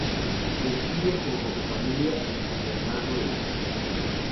Reside junto a su familia en San Bernardo del Tuyú.